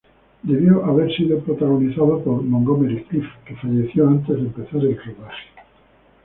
Debió haber sido protagonizada por Montgomery Clift, que falleció antes de empezar el rodaje.